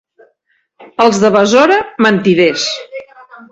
Els de Besora, mentiders.